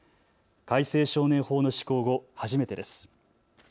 改正少年法の施行後、初めてです。